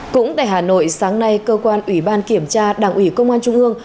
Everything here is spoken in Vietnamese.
cũng tại hà nội sáng nay cơ quan ủy ban kiểm tra đảng ủy công an trung ương